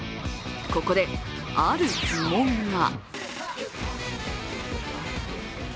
ここで、ある疑問が。